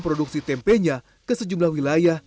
produksi tempenya ke sejumlah wilayah